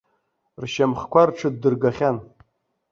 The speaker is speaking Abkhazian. Ршьамхқәа рҽыддыргахьан.